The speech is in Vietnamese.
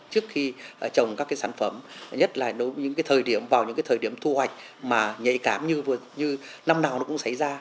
trước khi trồng các sản phẩm nhất là vào những thời điểm thu hoạch mà nhạy cảm như năm nào cũng xảy ra